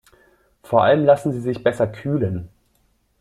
Vor allem lassen sie sich besser kühlen.